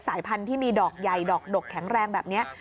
พันธุ์ที่มีดอกใหญ่ดอกดกแข็งแรงแบบนี้